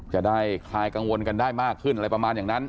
คลายกังวลกันได้มากขึ้นอะไรประมาณอย่างนั้น